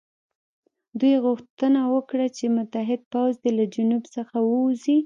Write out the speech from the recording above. دوی غوښتنه وکړه چې متحد پوځ دې له جنوب څخه ووځي.